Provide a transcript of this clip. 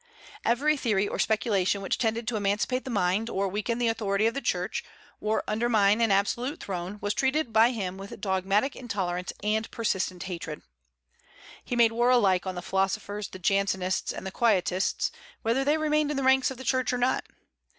Every theory or speculation which tended to emancipate the mind, or weaken the authority of the Church, or undermine an absolute throne, was treated by him with dogmatic intolerance and persistent hatred. He made war alike on the philosophers, the Jansenists, and the Quietists, whether they remained in the ranks of the Church or not.